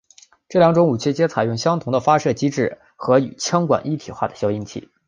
这两种武器皆采用相同的发射机制和与枪管一体化的消音器。